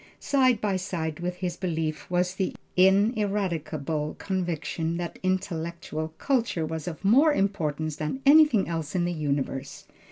Side by side with this belief was the ineradicable conviction that intellectual culture was of more importance than anything else in the universe.